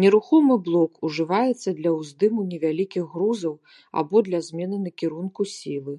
Нерухомы блок ўжываецца для ўздыму невялікіх грузаў або для змены кірунку сілы.